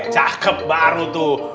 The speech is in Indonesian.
cakep baru tuh